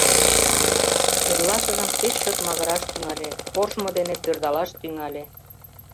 Эрлашыжым пеш чот магыраш тӱҥале, коржмо дене пӧрдалаш тӱҥале.